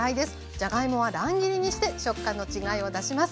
じゃがいもは乱切りにして食感の違いを出します。